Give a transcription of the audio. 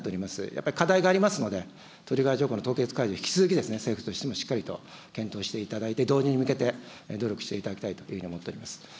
やっぱり課題がありますので、トリガー条項の凍結解除、引き続き、政府としてもしっかりと検討していただいて、導入に向けて努力していただきたいというふうに思っております。